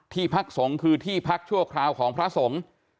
พักสงฆ์คือที่พักชั่วคราวของพระสงฆ์